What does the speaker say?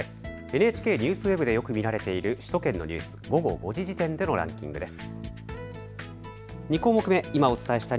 ＮＨＫＮＥＷＳＷＥＢでよく見られている首都圏のニュース、午後５時時点でのランキングです。